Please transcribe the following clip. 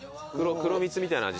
黒蜜みたいな味？